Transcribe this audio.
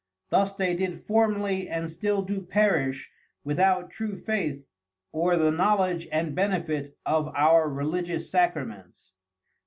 Thus they did formely and still do perish without true Faith, or the knowledge and benefit of our Religious Sacraments.